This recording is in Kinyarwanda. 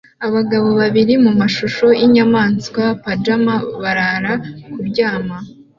Abagabo babiri mumashusho yinyamanswa pajama barara kuryama